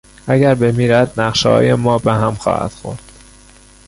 اگر بمیرد نقشههای ما به هم خواهد خورد.